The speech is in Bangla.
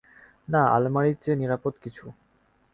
না, আলমারির চেয়ে নিরাপদ কিছু।